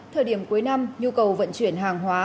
thời điểm cuối năm nhu cầu vận chuyển hàng hóa